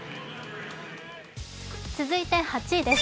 続いて８位です。